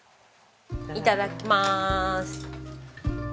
いただきます。